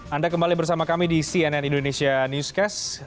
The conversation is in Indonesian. anda kembali bersama kami di cnn indonesia newscast